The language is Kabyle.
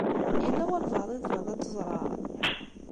Yella walebɛaḍ i tebɣiḍ ad teẓṛeḍ?